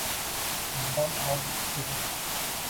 Inson aro ikki kuch.